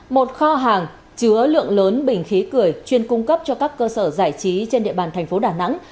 một kho hàng chứa lượng lớn bình khí cười chuyên cung cấp cho các cơ sở giải trí trên địa bàn thành phố đà nẵng